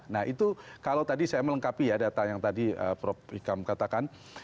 nah itu kalau tadi saya melengkapi ya data yang tadi prof ikam katakan